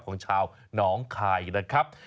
ของชาวหนองคายนะครับ